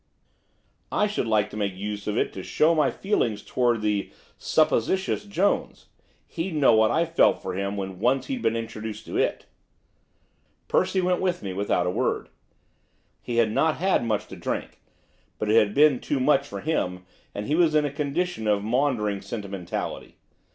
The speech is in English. I should like to make use of it to show my feelings towards the supposititious Jones, he'd know what I felt for him when once he had been introduced to it.' Percy went with me without a word. He had not had much to drink, but it had been too much for him, and he was in a condition of maundering sentimentality.